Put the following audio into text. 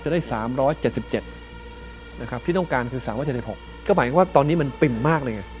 ได้๓๗๗นะครับที่ต้องการคือ๓๗๖ก็หมายถึงว่าตอนนี้มันปิ่มมากเลยไง